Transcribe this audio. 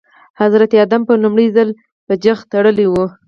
حضرت ادم په لومړي ځل په جغ تړلي وو.